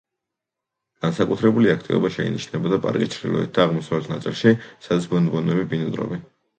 განსაკუთრებული აქტივობა შეინიშნებოდა პარკის ჩრდილოეთ და აღმოსავლეთ ნაწილში, სადაც ბონობოები ბინადრობენ.